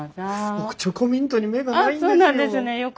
僕チョコミントに目がないんですよ。